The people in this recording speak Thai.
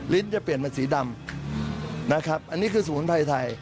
จะเปลี่ยนเป็นสีดำนะครับอันนี้คือสมุนไพรไทย